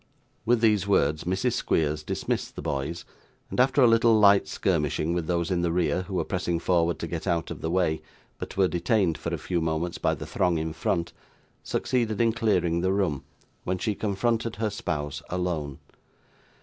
With these words, Mrs. Squeers dismissed the boys, and after a little light skirmishing with those in the rear who were pressing forward to get out of the way, but were detained for a few moments by the throng in front, succeeded in clearing the room, when she confronted her spouse alone.